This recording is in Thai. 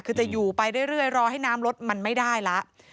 คือจะอยู่ไปเรื่อยรอให้น้ำลดมันไม่ได้แล้ว